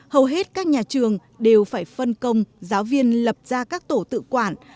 hầu hết các nhà trường đều phải phân công giáo viên lập ra các tổ tự quản